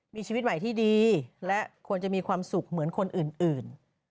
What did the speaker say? มีชีวิตใหม่ที่ดีและควรจะมีความสุขเหมือนคนอื่น